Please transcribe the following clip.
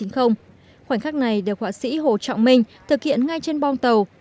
khoảnh khắc này được họa sĩ hồ trọng minh thực hiện ngay trên bong tàu